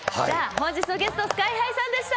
本日のゲスト、ＳＫＹ−ＨＩさんでした！